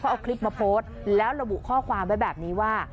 เอาคลิปมาโพสต์แล้วระบุข้อความไว้แบบนี้ว่า